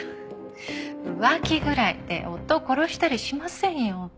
浮気ぐらいで夫を殺したりしませんよ。